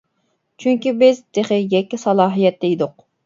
چۈنكى، بىز تېخى يەككە سالاھىيەتتە ئىدۇق.